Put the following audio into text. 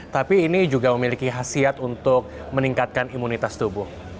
tapi ini juga memiliki khasiat untuk meningkatkan imunitas tubuh